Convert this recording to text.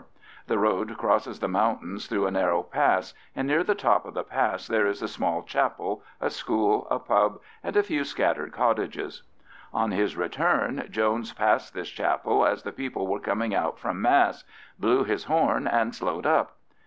The road crosses the mountains through a narrow pass, and near the top of the pass there is a small chapel, a school, a pub, and a few scattered cottages. On his return Jones passed this chapel as the people were coming out from Mass, blew his horn, and slowed up.